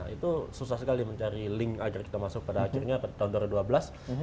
itu susah sekali mencari link agar kita masuk pada akhirnya tahun dua ribu dua belas